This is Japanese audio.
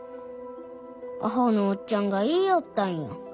アホのおっちゃんが言いよったんや。